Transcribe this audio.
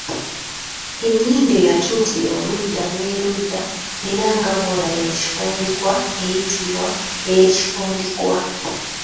Ennyindo eyatuutiira erudda n’erudda era nga bw’olaba ekifundikwa eyitibwa Ey’ekifundikwa.